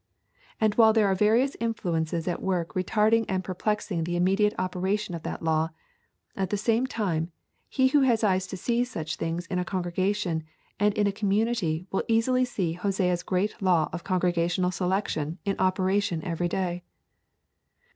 And while there are various influences at work retarding and perplexing the immediate operation of that law, at the same time, he who has eyes to see such things in a congregation and in a community will easily see Hosea's great law of congregational selection in operation every day.